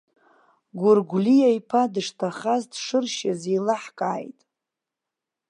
Гәыргәлиаиԥа дышҭахаз, дшыршьыз еилаҳкааит.